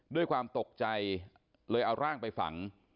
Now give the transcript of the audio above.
ด้วยความตกใจเลยเอาร่างไปฝัง